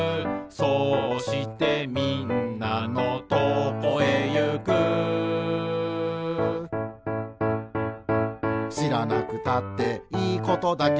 「そうしてみんなのとこへゆく」「しらなくたっていいことだけど」